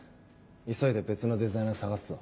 急いで別のデザイナー探すぞ。